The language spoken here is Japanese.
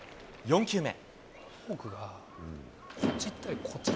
４球目。